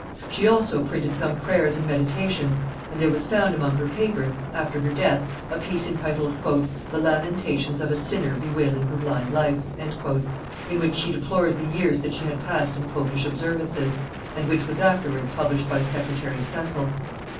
She also printed some prayers and meditations, and there was found among her papers, after her death, a piece entitled "The lamentations of a sinner bewailing her blind life," in which she deplores the years that she had passed in popish observances, and which was afterwards published by secretary Cecil.